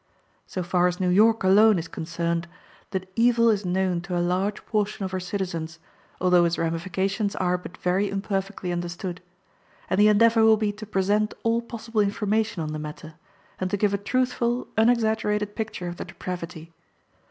So far as New York alone is concerned, the evil is known to a large portion of her citizens, although its ramifications are but very imperfectly understood; and the endeavor will be to present all possible information on the matter, and to give a truthful, unexaggerated picture of the depravity.